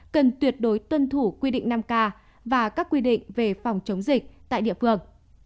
cần tuyệt đối tuân thủ quy định năm k và các quy định về phòng chống dịch tại địa phương